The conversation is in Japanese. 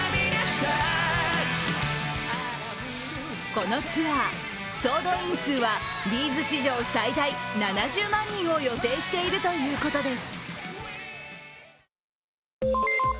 このツアー、総動員数はＢ’ｚ史上最大７０万人を予定しているということです。